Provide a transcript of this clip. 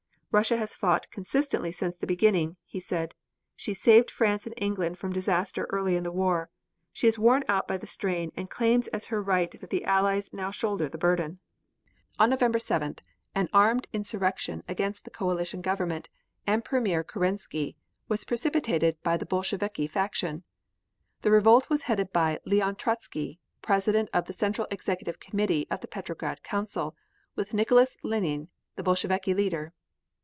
"Russia has fought consistently since the beginning," he said. "She saved France and England from disaster early in the war. She is worn out by the strain and claims as her right that the Allies now shoulder the burden." On November 7th, an armed insurrection against the Coalition Government and Premier Kerensky was precipitated by the Bolsheviki faction. The revolt was headed by Leon Trotzky, President of the Central Executive Committee of the Petrograd Council, with Nicholas Lenine, the Bolsheviki leader.